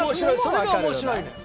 それが面白いのよ。